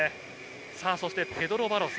そしてペドロ・バロス。